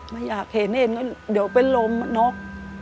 ไม่อยากเห็นเดี๋ยวไปรมมานอก